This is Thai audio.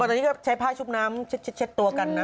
ตอนนี้ก็ใช้ผ้าชุบน้ำเช็ดตัวกันนะ